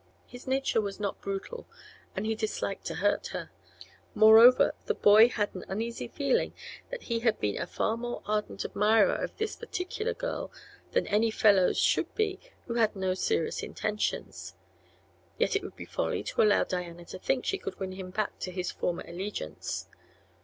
His nature was not brutal and he disliked to hurt her; moreover, the boy had an uneasy feeling that he had been a far more ardent admirer of this peculiar girl than any fellow should be who had had no serious intentions; yet it would be folly to allow Diana to think she could win him back to his former allegiance.